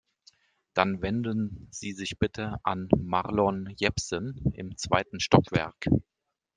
Dann wenden Sie sich bitte an Marlon Jepsen im zweiten Stockwerk.